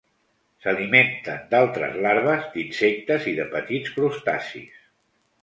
S'alimenten d'altres larves d'insectes i de petits crustacis.